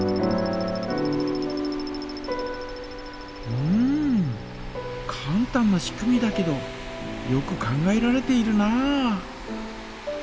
うんかん単な仕組みだけどよく考えられているなあ。